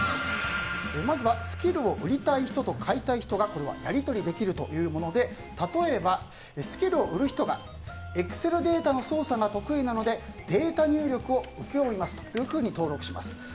まずはスキルを売りたい人と買いたい人がやり取りできるというもので例えば、スキルを売る人がエクセルデータの操作が得意なのでデータ入力を請け負いますというふうに登録します。